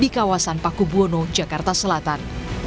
di kawasan paku buwono jakarta selatan